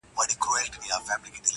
• نقادان يې تحليل کوي تل..